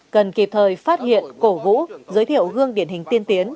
cần kịp thời phát hiện cổ vũ giới thiệu gương điển hình tiên tiến